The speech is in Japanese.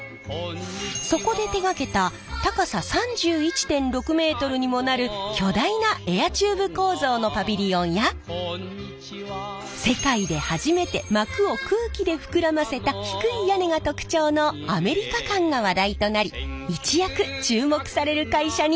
そこで手がけた高さ３１．６メートルにもなる巨大なエアチューブ構造のパビリオンや世界で初めて膜を空気で膨らませた低い屋根が特徴のアメリカ館が話題となり一躍注目される会社に。